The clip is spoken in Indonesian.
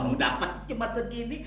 lo dapetnya cuman segini